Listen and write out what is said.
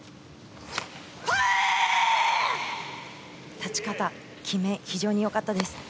立ち方、決め非常に良かったです。